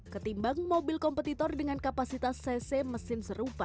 ketimbang mobil kompetitor dengan kapasitas cc mesin serupa